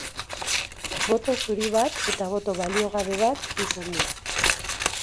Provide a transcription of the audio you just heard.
Boto zuri bat eta boto baliogabe bat izan dira.